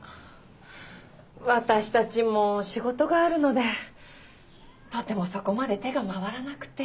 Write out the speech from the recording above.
私たちも仕事があるのでとてもそこまで手が回らなくて。